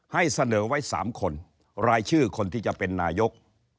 ให้เสนอไว้๓คนรายชื่อคนที่จะเป็นนายก